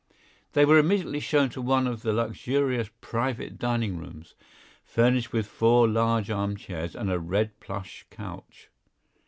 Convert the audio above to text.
They were immediately shown to one of the luxurious private dining rooms, furnished with four large arm chairs and a red plush couch.